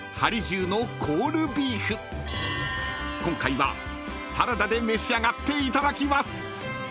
［今回はサラダで召し上がっていただきます］